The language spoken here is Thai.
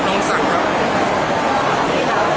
นั่งคุยเจ้าจี้กว่า